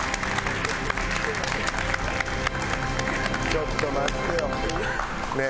ちょっと待ってよねえ。